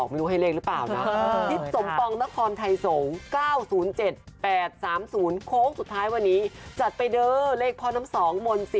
ไม่รู้ให้เลขหรือเปล่านะ